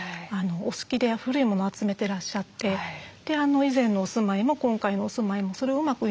お好きで古い物を集めてらっしゃって以前のお住まいも今回のお住まいもそれをうまく